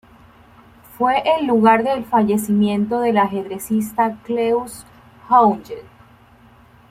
Fue el lugar de fallecimiento del ajedrecista Klaus Junge.